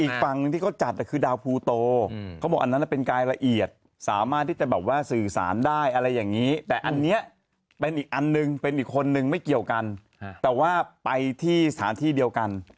อีกฝั่งหนึ่งที่เขาจัดคือดาวภูโตเขาบอกอันนั้นเป็นรายละเอียดสามารถที่จะแบบว่าสื่อสารได้อะไรอย่างนี้แต่อันนี้เป็นอีกอันหนึ่งเป็นอีกคนนึงไม่เกี่ยวกันแต่ว่าไปที่สถานที่เดียวกัน